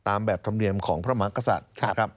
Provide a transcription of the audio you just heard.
ตามแบบธรรมเนียมของพระมังกษัตริย์